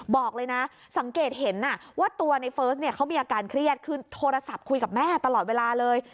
บอกเลยนะสังเกตเห็นว่าตัวในเฟิร์สเนี่ยเขามีอาการเครียดคือโทรศัพท์คุยกับแม่ตลอดเวลาเลย